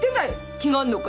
気があるのかい？